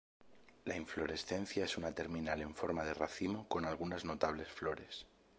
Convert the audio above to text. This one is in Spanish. La inflorescencia es un terminal en forma de racimo con algunas notables flores.